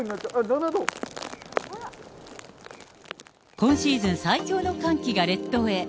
今シーズン最強の寒気が列島へ。